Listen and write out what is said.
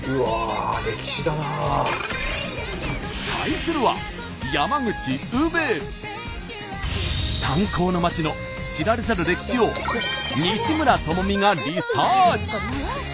対するは炭鉱の街の知られざる歴史を西村知美がリサーチ！